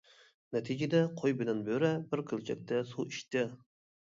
نەتىجىدە قوي بىلەن بۆرە بىر كۆلچەكتە سۇ ئىچتى.